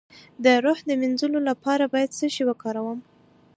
د روح د مینځلو لپاره باید څه شی وکاروم؟